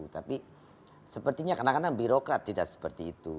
tapi sepertinya kadang kadang birokrat tidak seperti itu